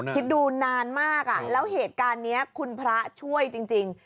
คิดดูนานมากแล้วเหตุการณ์นี้คุณพระช่วยจริง